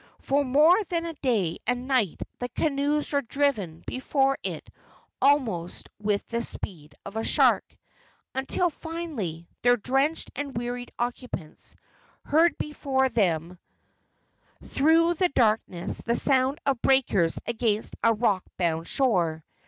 For more than a day and a night the canoes were driven before it almost with the speed of a shark, until finally their drenched and wearied occupants heard before them through the darkness the sound of breakers against a rock bound shore.